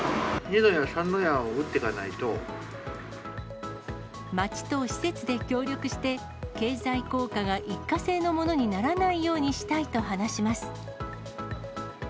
二の矢、町と施設で協力して、経済効果が一過性のものにならないようにしたいと話します。